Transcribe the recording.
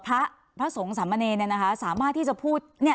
พระพระสงฆ์สามเมณีเนี้ยนะคะสามารถที่จะพูดเนี้ย